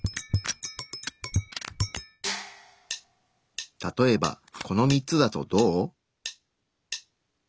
例えばこの３つだとどう？